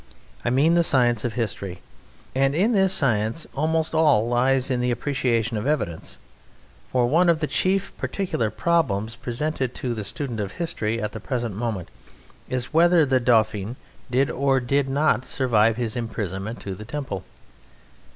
I mean the science of history and in this science almost all lies in the appreciation of evidence, for one of the chief particular problems presented to the student of history at the present moment is whether the Dauphin did or did not survive his imprisonment in the Temple.